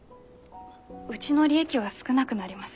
うちの利益は少なくなります。